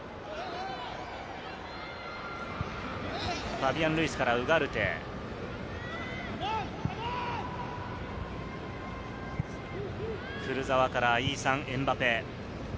ファビアン・ルイスからウガルテ、クルザワからイーサン・エムバペ。